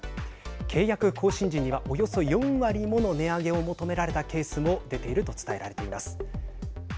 契約更新時には、およそ４割もの値上げを求められたケースも出ていると伝えられています。